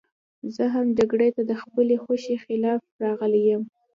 زه هم جګړې ته د خپلې خوښې خلاف راغلی یم